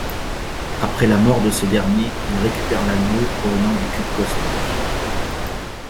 Après la mort de ce dernier il récupère l'anneau provenant du cube cosmique.